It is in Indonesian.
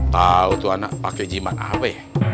tau tuh anak pakai jimat apa ya